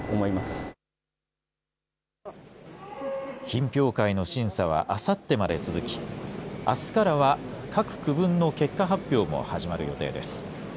品評会の審査はあさってまで続き、あすからは各区分の結果発表も始まる予定です。